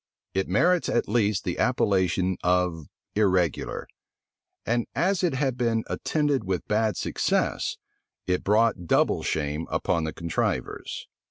It merits at least the appellation of irregular; and as it had been attended with bad success, it brought double shame upon the contrivers.